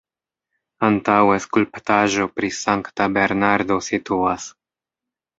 Antaŭe skulptaĵo pri Sankta Bernardo situas.